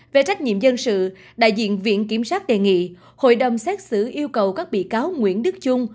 về trách nhiệm dân sự đại diện viện kiểm sát đề nghị hội đồng xét xử yêu cầu các bị cáo nguyễn đức trung